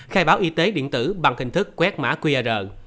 khai báo y tế điện tử bằng hình thức quét mã qr